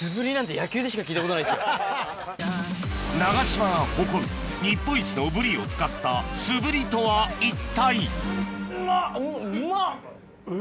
長島が誇る日本一のブリを使ったすぶりとは一体？